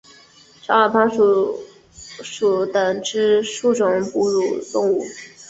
长耳攀鼠属等之数种哺乳动物。